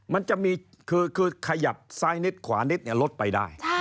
มันจะมีคือขยับซ้ายนิดขวานิดรถไปได้